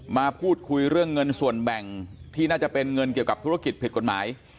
มาพูดคุยเรื่องเงินส่วนแบ่งที่น่าจะเป็นเงินเกี่ยวกับธุรกิจผิดกฎหมาย